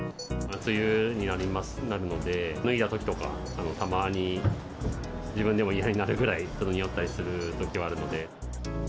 梅雨になるので、脱いだときとか、たまに自分でも嫌になるくらい臭ったりするときもあるので。